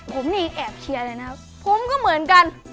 ผมนี่แอบเชียร์เลยนะครับผมก็เหมือนกัน